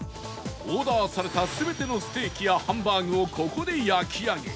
オーダーされた全てのステーキやハンバーグをここで焼き上げ。